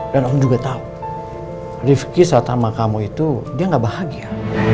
dan om juga tahu rifqi saat sama kamu itu dia ga bahagia